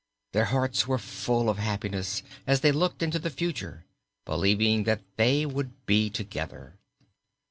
Their hearts were full of happiness as they looked into the future, believing that they would be together.